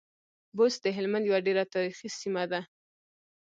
بُست د هلمند يوه ډېره تاريخي سیمه ده.